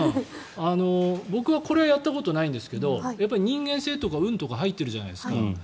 僕はこれはやったことないんですけどやっぱり人間性とか運とか入っているじゃないですか。